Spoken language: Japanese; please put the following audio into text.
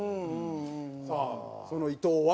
さあその伊藤は。